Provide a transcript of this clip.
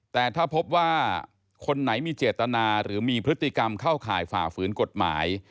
แต่ถ้าพบว่าคนไหนมีเจตนาหรือมีพฤติกรรมเข้าข่ายฝ่าฝืนกฎหมาย